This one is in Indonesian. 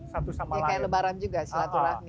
satu sama lain kayak lebaran juga silaturahmi